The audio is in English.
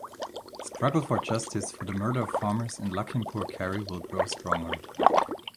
Struggle for justice for the murder of farmers in Lakhimpur Kheri will grow stronger.